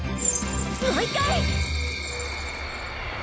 もう１回！